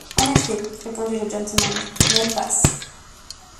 En effet, répondit le gentleman, mais elles passent.